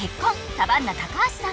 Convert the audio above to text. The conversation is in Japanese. サバンナ高橋さん